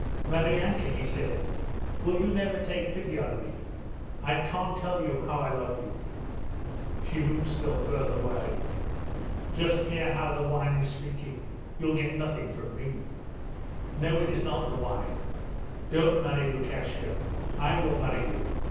'Maryanka!' he said. 'Will you never take pity on me? I can't tell you how I love you.' She moved still farther away. 'Just hear how the wine is speaking! ... You'll get nothing from me!' 'No, it is not the wine. Don't marry Lukashka. I will marry you.'